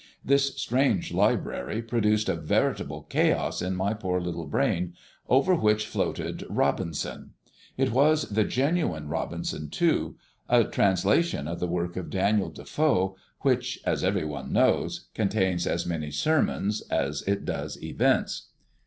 This strange library produced a veritable chaos in my poor little brain, over which floated "Robinson." It was the genuine "Robinson" too, a translation of the work of Daniel Defoe, which, as every one knows, contains as many sermons as it does events.